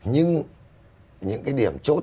nhưng những cái điểm chốt nhất